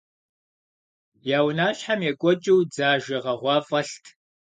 Я унащхьэм екӏуэкӏыу дзажэ гъэгъуа фӏэлът.